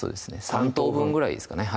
３等分ぐらいですかね